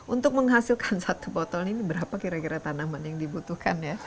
untuk menghasilkan satu botol ini berapa kira kira tanaman yang dibutuhkan ya